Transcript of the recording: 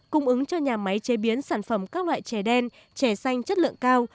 cung ứng cho nhà máy chế biến sản phẩm các loại chè đen chè xanh chất lượng cao